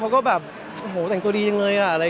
เต็มตัวแบบมันดูดีล่ะ